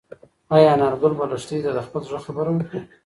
ایا انارګل به لښتې ته د خپل زړه خبره وکړي؟